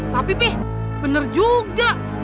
tapi pih bener juga